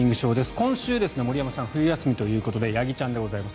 今週、森山さん冬休みということで八木ちゃんでございます。